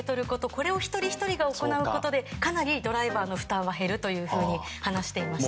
これを一人ひとりが行うことでかなりドライバーの負担は減ると話していました。